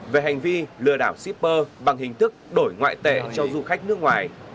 về hành vi lừa đảo shipper bằng hình thức đổi ngoại tệ cho du khách nước ngoài